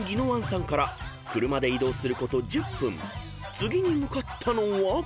［次に向かったのは］